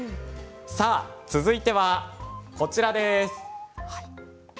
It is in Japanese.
続いてはこちらです。